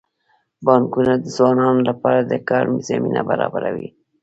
بانکونه د ځوانانو لپاره د کار زمینه برابروي.